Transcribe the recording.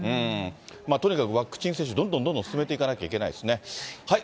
とにかくワクチン接種、どんどんどんどん進めていかなきゃいけないですね。